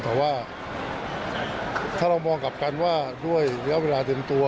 แต่ว่าถ้าเรามองกลับกันว่าด้วยระยะเวลาเต็มตัว